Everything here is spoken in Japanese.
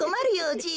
じい。